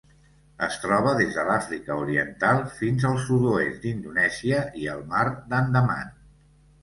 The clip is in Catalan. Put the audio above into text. Es troba des de l'Àfrica Oriental fins al sud-oest d'Indonèsia i el Mar d'Andaman.